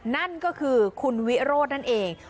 นั่นก็คือคุณวิโรธนั่นเอง